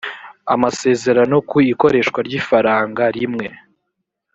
amasezerano ku ikoreshwa ry ifaranga rimwe